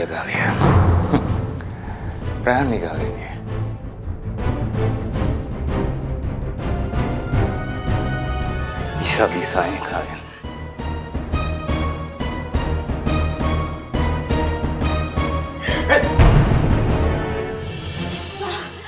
pak tata servantating friend